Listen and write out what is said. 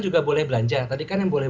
juga boleh belanja tadi kan yang boleh